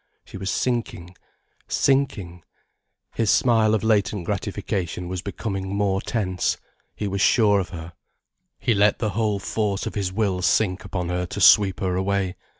She was sinking, sinking, his smile of latent gratification was becoming more tense, he was sure of her. He let the whole force of his will sink upon her to sweep her away.